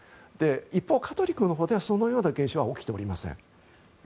一方、カトリックのほうではそのような現象は起きていません。